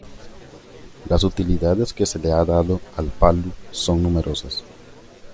Las utilidades que se le ha dado al palu son numerosas.